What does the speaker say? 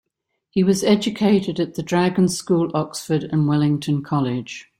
He was educated at the Dragon School, Oxford, and Wellington College.